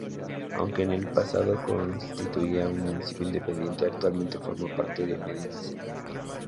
Aunque en el pasado constituía un municipio independiente, actualmente forma parte de Medinaceli.